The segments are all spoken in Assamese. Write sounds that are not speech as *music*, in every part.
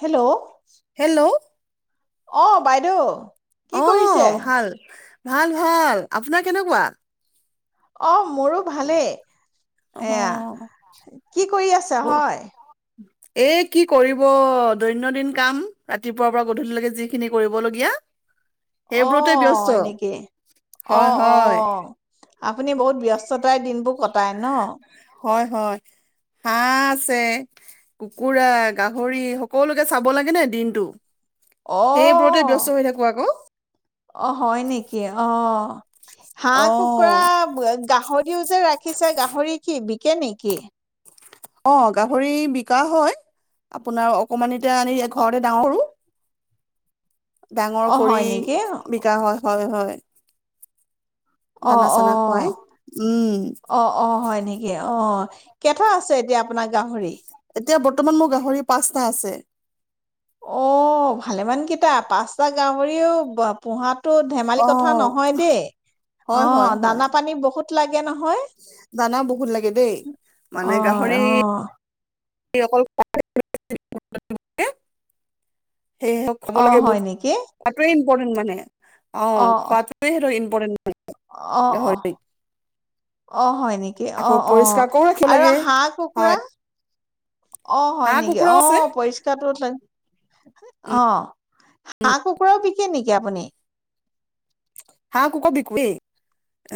Hello hello. অ বাইদেউ? কি অ কৰিছে ভাল। ভাল ভাল আপোনাৰ কেনেকুৱা? অ', মোৰো ভালেই। অ এয়া, কি কৰি আছে ব- হয়? এ কি কৰিব, দৈনন্দিন কাম ৰাতিপুৱাৰ পৰা গধূলিলৈকে যিখিনি কৰিবলগীয়া। সেইবোৰতে ব্যস্ত অ', এনেকে হয় অ', হয় অ'। আপুনি বহুত ব্যস্ততাৰ দিনবোৰ কত পাই ন? হয়, হয়। হাঁহ আছে, কুকুৰা, গাহৰি সকলোকে চাব লাগে ন দিনটো? সেইবোৰতে অহ, ব্যস্ত হৈ থাকো আকৌ অ হয় নেকি? অহ। অ হাঁহ, কুকুৰা, গাহৰিও যে ৰাখিছে, গাহৰি কি কিয়ে নেকি? অহ, গাহৰি বিকা হয় আপোনাৰ অকণমানিতে আনি অ ঘৰতে ডাঙৰ কৰোঁ। অ ডাঙৰ কৰি হয় নেকি বিকা হয়, হয়, হয়। অ, অ, দানা চানা খুৱাই উম অ, অ, অ, হয় নেকি অহ। কেটা আছে এতিয়া আপোনাৰ গাহৰি? এতিয়া বৰ্তমান মোৰ গাহৰি পাঁচটা আছে। অহ, ভালেমান কেতা, পাঁচটা গাহৰিও বা পোহাতো ধেমালি অ কথা নহয় দেই, হয় অহ, হয় হয় দানা-পানী বহুত লাগে নহয়। দানা বহুত লাগে দেই, মানে অ', গাহৰি অ', অকল *unintelligible* সেয়েহ ক'ব অ', লাগে, হয় বহুত নেকি? কাতৰি পৰ্টেন্ত মানে। অহ, খোৱাটোহেতো ইম পতেণ্ট অহ, অহ, অহ, হয় নেকি? আকৌ অহ, অহ, পৰিষ্কাৰ কৰো ৰাখিব আৰু লাগে হাঁহ, কুকুৰা? হয় অহ, হয় হাঁহ নেকি? কুকুৰাও আছে অহ, পৰিষ্কাৰটো। *unintelligible* অহ, হাঁহ-কুকুৰাও বিকে নেকি আপুনি? হাঁ- কুক বিকোেয়ে,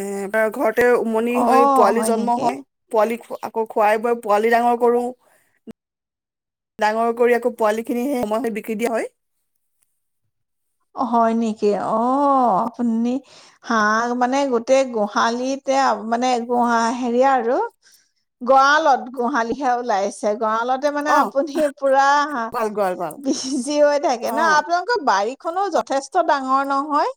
এ বাৰ ঘৰত তাতে উমনি হৈ অ', পোৱালি জন্ম নেকি? হয়, পোৱালি খোৱা আকৌ খুৱাই বৈ পোৱালি ডাঙৰ কৰোঁ, ডাঙৰ কৰি আকৌ পোৱালিখিনি সেই সময়ে বিক্ৰী দিয়া হয়। হয় নেকি, অহ আপুনি হাঁহ মানে গোটেই গোহালিতে, মানে গোহা হেৰি আৰু গঁৰালত গোহালিহে, ওলাইছে। গঁৰা়লতে মানে অ আপুনি পুৰা হা, গঁৰাল গঁৰাল গঁৰাল বিজি হৈ থাকে ন? অ আপোনালোকৰ বাৰী যথেষ্ট দাম ডাঙৰ নহয়।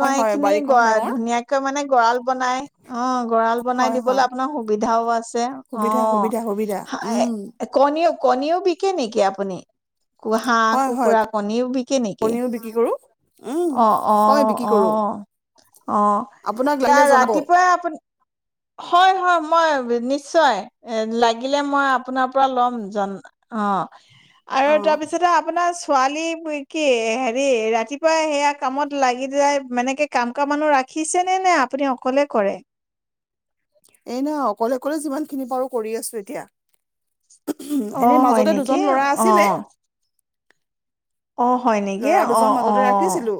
হয় হয় এইখিনি বাৰীখনো গহ, ডাঙৰ ধুনীয়াকে মানে গঁৰাল বনাই, অ, গঁৰা়ল বনাই হয় দিবলৈ হয় আপোনাৰ সুবিধাও আছে, অ, সুবিধা সুবিধা সুবিধা উম কণীও কণীও বিকে নেকি আপুনি কু হাঁহ হয় হয় কুকুৰা কণীও বিকে নেকি কণীও বিক্ৰী কৰো উম অ অ হয় বিক্ৰী অ কৰো অ আপোনাক লাগিলে তাৰ জনাব ৰাতিপুৱা অ আপুনি হয় হয় মই নিশ্চয় লাগিলে মই আপোনাৰ পৰা ল'ম জন অ আৰু তাৰপিছতে আপোনাৰ ছোৱালী কি হেৰি ৰাতিপুৱা সেয়া কামত লাগি যায় মানেকে কাম ক মানুহ ৰাখিছে নে নে আপুনি অকলে কৰে এই নহয় অকলে অকলে যিমান খিনি পাৰো কৰি আছো এতিয়া এনেই আহ হয় মাজতে নেকি দুজন ল'ৰা অ আছিলে অ হয় নেকি ল'ৰা অ দুজন অ মাজতে ৰাখিছিলো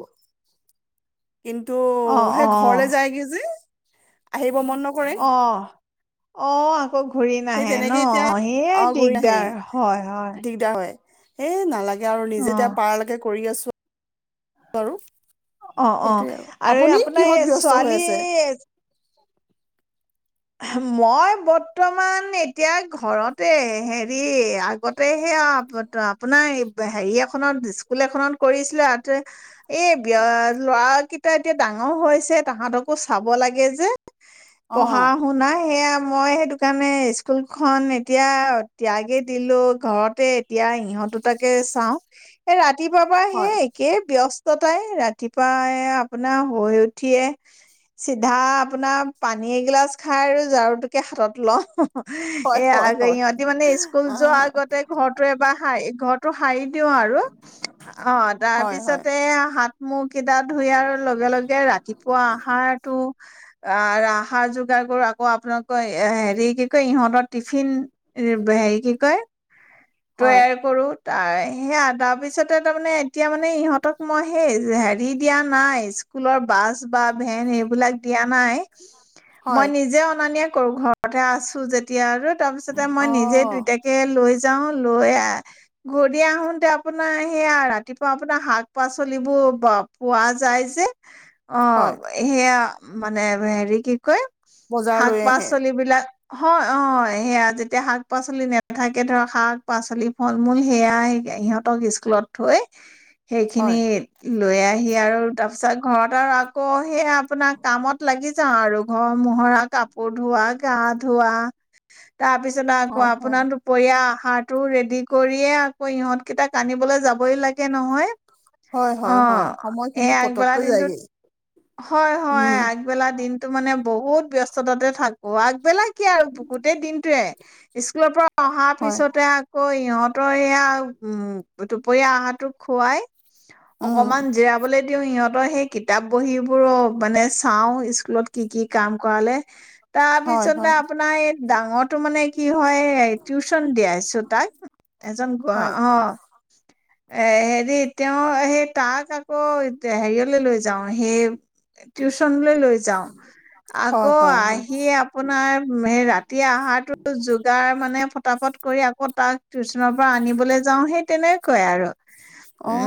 কিন্তু অ সেই অ ঘৰলে যায়গে যে আহ অ অ আকৌ ঘূৰি সেই নাহে তেনেকে ন এতিয়া অ সেই ঘূৰি নাহে দিগদাৰ হয় হয় দিগদাৰ হয় এ নালাগে আৰু অ নিজেতিয়া পাৰকে কৰি আছো কৰো অ অ আৰু আপোনাৰ এই ব্যস্ত হৈ ছোৱালী আছে মই বৰ্তমান এতিয়া ঘৰতে হেৰি আগতে ত সেয়া আপোনাৰ এই হেৰি এখনত স্কুল এখনত কৰিছিলে আৰু এই বি ল'ৰা কেইটা এতিয়া ডাঙৰ হৈছে তাহতকো চাব লাগে যে অ হা শুনা হে মই সেইটো কাৰণে স্কুলখন এতিয়া ত্যাগে দিলো ঘৰতে এতিয়া ইহঁত দুটাকে চাও এ ৰাতি ৰা বাবা হে হয় একে ব্যস্ত কটাই ৰাতিপুৱাই আপোনাৰ শুই উঠিয়ে চিধা আপোনাৰ পানী এইগিলা মাছ খাই আৰু ঝাৰুটোকে হাতত ল হয়, এ আ হয়, হয়। ইহঁতি মানে স্কুল আ যোৱাৰ আগতে ঘৰটো এবাৰ ঘৰটো শাৰীত দিওঁ আৰু অ হয়, হয়, তাৰপিছতোত মোক কেইটা ধুয়াৰ লগে লগে ৰাতিপুৱা আহাৰতটো আহাৰ যোগ য কৰো আকৌ আপোনালোকৰ হেৰি কি কয় ইহঁতৰ টিফিন হেৰি কি কয় হয়, তৈয়াৰ কৰো ত সেয়া তাৰ পিছতে তাৰমানে এতিয়া মানে ইহঁতক মই সেই হেৰি দিয়া নাই স্কুলৰ বাছ বা ভেন এইবিলাক দিয়া নাই মই হয়, নিজেও অনা নিয়া কৰোঁ ঘৰতে আছোঁ যেতিয়া আৰু তাৰ পিছতে মই নিজে অ', দুইতাকে লৈ যাঁও লৈ আহ ঘূৰি আহোঁতে আপোনাৰ সেয়া ৰাতিপুৱা আপোনাৰ শাক পাচলিবোৰ পোৱা যায় যে অ হয়, সেইয়া মানে হেৰি কি কয় শাক বজাৰলৈ আহে। পাচলি বিলাক হয় অ সেয়া যেতিয়া শাক পাচলি নেথাকে ধৰ শাক পাচলি ফল মূল সেয়া ইহঁতক স্কুলত থৈ সেইখিনি হয়, লৈ আহি সি আৰু তাৰপিছত ঘৰত আৰু আকৌ সেই আপোনাক কামত লাগি যাওঁ আৰু ঘৰ মোহৰা কাপোৰ ধোৱা গা ধোৱা তাৰপিছত আকৌ হয়, হয়, আপোনাৰো দুপৰিয়া হাহঁটো ৰেডি কৰিয়ে আকৌ ইহঁতকেইটাক আনিবলৈ যাবই লাগে নহয় হয় হয় অ হয় এই সময়খিনি আগবেলা পতককৈ দিনটোত যায়গে হয় হয় উম, আগবেলা দিনতটো মানে বহুত বহুত ব্যস্ততাতে থাকোঁ আগবেলাই কি আৰু গোটেই দিনটোৱে স্কুলৰ পৰা অহাৰ হয়, পিছতে আকৌ সিহঁতৰ এয়া উম দুপৰীয়া আহাৰটোক খুৱাই উম, অকমান জেৰাবলে দিও সিহঁতৰ সে কিতাপ বহী বোৰ মানে চাও স্কুলত কি কি কাম কৰালে হয়, তাৰপিছতে হয়, আপোনাৰ এই ডাঙৰটো মানে কি হয় টিউচন দিয়াইছো তাক এজন গ হয়, অ এ হেৰি তেওঁ সেই তাক আকৌ হেৰিয়লে লৈ যাওঁ সে টিউচনলৈ লৈ যাও আকৌ হয়, হয়, হয়, আহি আপোনাৰ ৰাতি আহাৰতো যোগাৰ মানে পতাপট কৰি আকৌ তাক টিউশচনৰ পৰা আনিবলৈ যাওঁ সেই তেনেকুৱাই আৰু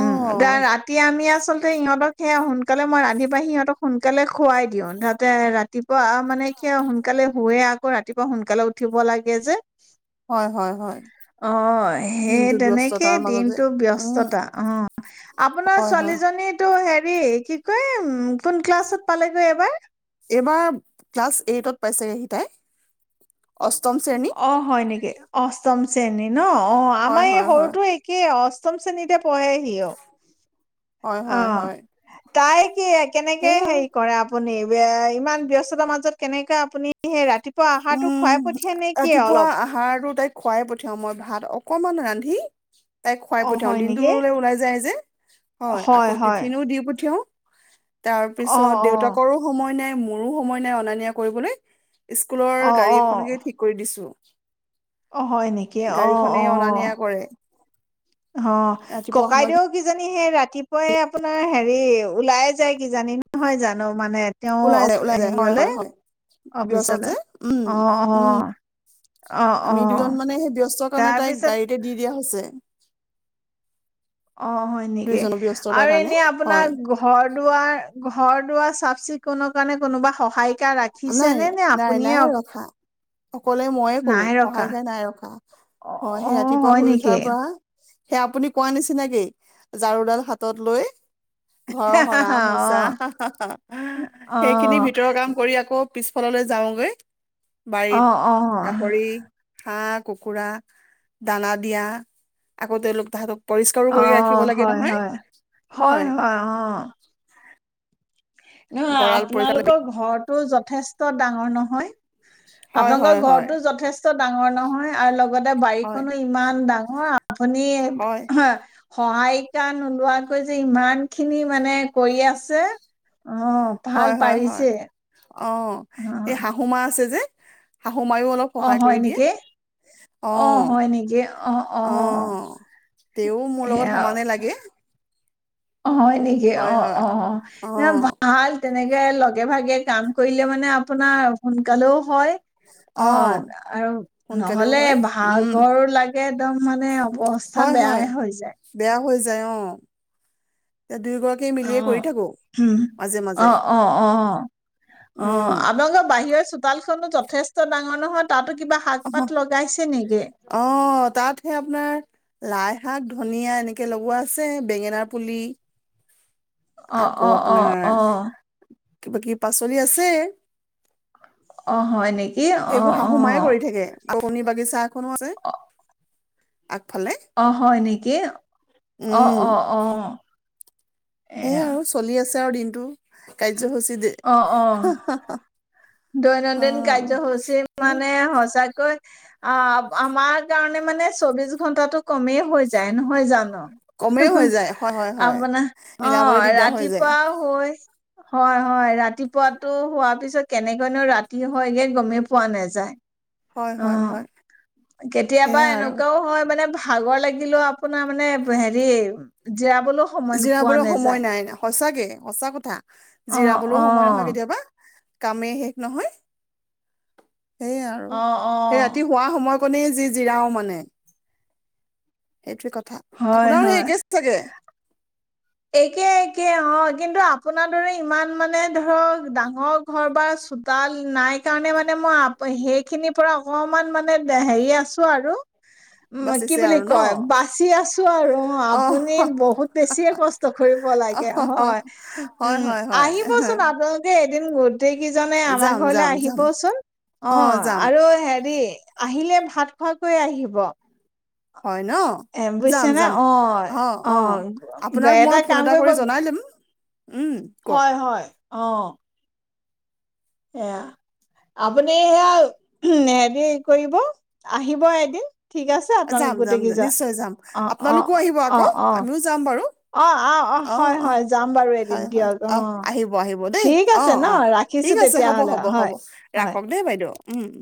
উম এ ৰাতি আমি আচলতে সিহঁতক সেয়া হোন সোনকালে মই ৰান্ধি বাঢ়ি সিহঁতক সোন সোনকালে খুৱাই দিওঁ তাতে ৰাতিপুৱা মানে কি সোনকালে শুৱে আকৌ ৰাতিপুৱা সোনকালে উঠিব লাগে যে হয়, হয়, হয়, অ সেই দিনটো তেনেকেই ব্যস্ততাৰ মাজতে। দিনটো উম, ব্যস্তততা অ আপোনাৰ হয়, ছোৱালী হয়, জনীটো হে কি ক *unintelligible* কোন ক্লাছত পালেগৈ এবাৰ এইবাৰ ক্লাছ এইটত পাইছেহি তাই অষ্টম শ্ৰেণী। অ হয় নেকি অষ্টম চেনী ন অ হয়, আমাৰ এই হয়, হয়, সৰুটো একেই অষ্টম শ্ৰেণীতে পঢ়েহি অ হয়, অ হয়, হয়, তাই কি কেনেকে সেইয়া আৰু। হেৰি কৰে আ আপুনি ইমান ব্যস্ততাৰ মাজত কেনেককাে আপুনি সেই ৰাতি আহাৰটো উম, খোৱাই পঠিয়া নে কি ৰাতিপুৱা অলপ আহাৰটো তাইক খুৱাই পঠিয়াও মই ভাত অকমান ৰান্ধি তাইক খোৱাই অ পঠাও হয় নেকি দিনটোলৈ ওলাই যায় যে হয় আকৌ টিফিনো দি পঠিয়ও তাৰ অ পিছত অ দেউতাকৰো সময় নাই মোৰো সময় নাই অনা নিয়া কৰিবলৈ অ স্কুলৰ গাড়ী অ এখনকে ঠিক কৰি দিছো অ হয় নেকি অ গাড়ীখনে অ অনা নিয়া কৰে অ ৰাতিপুৱা সময় ককাইদেউ কিজানি সেই ৰাতি ৰাতিপুৱাই আপোনাৰ হেৰি ওলাই যায় কি জানি নহয় জানো মানে তেওঁ ওলাই যায় অফি ওলাই যায় হয় হেৰিয়লে হয় হয় ব্যস্ত অফিচলে যে উম অ অ উম আহ অ আমি দুজন মানে সেই ব্যস্তৰ কাৰণে তাইক তাৰপিছত গাড়ীতে দি দিয়া *unintelligible* অ হয় নেকি দুইজনৰ ব্যস্ততাৰ আৰু কাৰণে এনে আপোনাৰ হয় ঘৰ দুৱাৰ ঘৰ চাফ চিকুণৰ কাৰণে কোনোবা সহায় নাই নাই নাই ৰখা অকলে ময়ে কৰো নাই ৰখা সহায়কাৰ নাই ৰখা অ হয় অ সেই ৰাতিপুৱা হয় শুই নেকি উঠাৰ পৰা সে আপুনি কোৱা নিচিনাকেই ঝাৰুডাল হাতত লৈ ঘৰৰ সৰা অ মোচা অ সেইখিনি ভিতৰৰ কাম কৰি আ পিছফাললৈ যাওঁগৈ অ বাৰীত অ গাহৰি শাক কুকুৰা দানা দিয়া আকৌ তেওঁলোক তাহতক অ হয় হয় হয় হয় আহ নহয় গঁৰাল পৰিষ্কাৰ আপোনালোকৰ ঘৰটো য'ত যথেষ্ট ডাঙৰ নহয় হয় হয় আপোনালোকৰ হয় ঘৰতো যথেষ্ট ত ডাঙৰ নহয় আৰু লগ লগতে হয় বাৰীখনো ইমান ডাঙৰ আপুনি হয় হা সহায়িকা নোলোৱাকৈ যে ইমান খিনি মানে কৰি আছে অ ভাল হয় হয় হয় পাৰিছে অ এই অ' শাহুমা আছে যে শাহু মায়ো অলপ অ' সহায় হয় কৰি দিয়ে নেকি অ হয় নেকি অ' অ তেওঁ মোৰ লগত সেয়া সমানে লাগে অ হয় নেকি হয় অ হয়, অ অ ন অ', ভাল তেনেকে লগে ভাগে কাম কৰিলে মানে আপোনাৰ সোনকালেও হয় অ আৰু সোনকালেও নহ'লে হয়, উম, ভাগৰ লাগে একদম মানে অৱস্থা হয় হয়, বেয়াই হৈ যায় বেয়া হৈ যায় অ এ দুয়োগৰাকী অ মিলিয়ে কৰি থাকো, উম মাজে মাজে, অ অ অ অ অ উম, আপোনালোকৰ বাহিৰেও চুপ কোডাল খো যথেষ্ট ডাঙৰ নহয় তাত অ আহ তাত সে আপোনাৰ লাই শাক ধনিয়া এনেকে লগোৱা আছে বেঙেনা পুলি অ আকৌ অ অ আপোনাৰ অ কিবা কিব পাচলি আছে অ হয় নেকি অ অ আপুনি বাগিচা কোনো আছে আগফালে, অ হয় নেকি কি অ উম, অ অ অ সেইয়াই এয়া *inaudible* দিনটো কাৰ্যসূচী দে অ', অ', হাঁহ হাঁহ হাঁহ দৈনন্দিন কাৰ্যসূচী অ', মানে সঁচাকৈ অ আমাৰ কাৰণে মানে চৌবিশ ঘন্টাটো কমেই হৈ যায় নহয় জানো কমেই হৈ যায় হয় হয় হয় আপোনাৰ অ মিলাবলৈ দিগদাৰ হৈ যায় ৰাতিপুৱাও হৈ হয় হয় ৰাতিপুৱাতো হোৱাৰ পিছত কেনেকৈনো ৰাতি হয়গে গমেই পোৱা নাযায় হয় অ হয় হয় কেতিয়াবা সেয়া আৰু এনেকুৱাও হয় মানে ভাগৰ লাগিলে আপোনাৰ মানে হেৰি জিৰাবলৈও সময় নোপোৱা জিৰাবলৈ সময় নাযায়। নাই ন সঁচাকে সঁচা কথা অ' জিৰাবলৈও সময় নহয় অ' কেতিয়াবা কামেই শেষ নহয় সেয়ে আৰু অ' সেই অ' ৰাতি শুৱ সময়ত। *inaudible* যি জিৰাও মানে এইটোৱে কথা *inaudible* হয় আপোনাৰো সেই হয় একে চাগে একে একে অ কিন্তু আপোনাৰ দৰে ইমান মানে ধৰক ডাঙৰ ঘৰ বা চোতাল নাই কাৰণে মানে মই সেইখিনিৰ পৰা অকমান মানে হেৰি আছোঁ আৰু উ কি বাচিছে বুলি আৰু ন কয় বাচি আছো আৰু অ আপুনি বহুত বেছিয়ে কষ্ট কৰিব অ লাগে হয় হয় উম হয় হয় আহিবচোন আপোনালোকে এদিন গোট গোটেইকেইজনে আমাৰ যাম ঘৰলে যাম যাম আহিবচোন অ আৰু হেৰি আহিলে ভাত খোৱাকৈ আহিব হয় ন এ বুজিছে যাম নে যাম অ অ আপোনাক গ- মই ফোন কাম এটা কৰিব কৰি জনাই দিম উম কওক অঁ সেয়া আপুনি সেয়া উ হেৰি কৰিব আহিব এদিন ঠিক আছে আপোনালোক যাম গোটেই যাম যা কেইজন নিশ্চয় যাম অ', অ', আপোনালোকো আহিব আকৌ অ', অ'। আমিও যাম বাৰু অ অ অ হয় হয় যাম বাৰু এদিন হয় হয় দিয়ক অ আহিব আহিব দেই ঠিক অ আছে ন অ ঠিক ৰাখিছোঁ আছে তেতিয়াহলে হয় হয় উমম